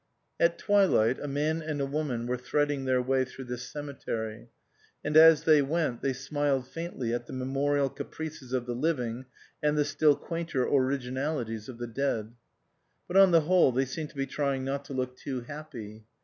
At twilight a man and a woman were thread ing their way through this cemetery, and as they went they smiled faintly at the memorial caprices of the living and the still quainter originalities of the dead. But on the whole they seemed to be trying not to look too happy.